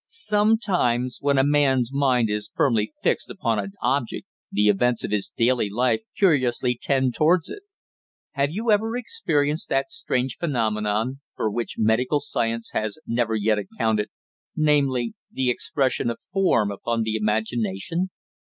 Sometimes when a man's mind is firmly fixed upon an object the events of his daily life curiously tend towards it. Have you never experienced that strange phenomenon for which medical science has never yet accounted, namely, the impression of form upon the imagination?